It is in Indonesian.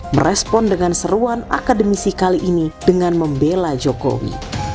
merespon dengan seruan akademisi kali ini dengan membela jokowi